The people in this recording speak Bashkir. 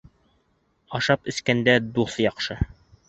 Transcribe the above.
Ашап-эскәндә дуҫ яҡшы.